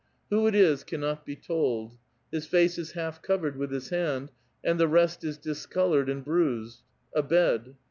Who it is cannot be told ; his face is half covered with his hand, and the rest is discolored and bruised. A bed.